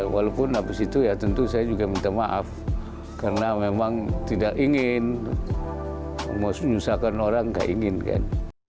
walaupun habis itu ya tentu saya juga minta maaf karena memang tidak ingin maksudnya menyusahkan orang nggak ingin kan